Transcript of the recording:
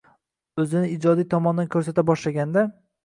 o‘zini ijodiy tomondan ko‘rsata boshlaganda